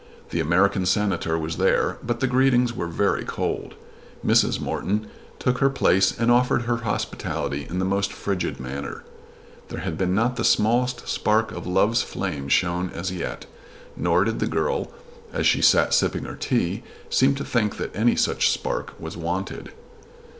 The American Senator was there, but the greetings were very cold. Mrs. Morton took her place and offered her hospitality in the most frigid manner. There had not been the smallest spark of love's flame shown as yet, nor did the girl as she sat sipping her tea seem to think that any such spark was wanted.